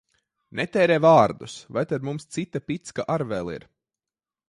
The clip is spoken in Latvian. Netērē vārdus! Vai tad mums cita picka ar vēl ir?